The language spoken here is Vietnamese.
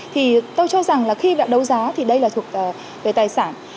thì tôi cho rằng là khi bạn đấu giá thì đây là thuộc về tài sản